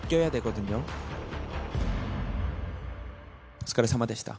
お疲れさまでした。